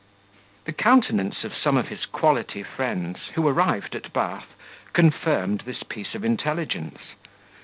The countenance of some of his quality friends, who arrived at Bath, confirmed this piece of intelligence.